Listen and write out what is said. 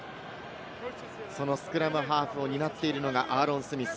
そのスクラムハーフを担っているのがアーロン・スミス。